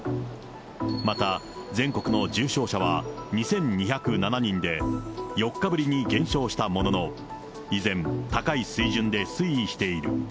また、全国の重症者は２２０７人で、４日ぶりに減少したものの、依然、高い水準で推移している。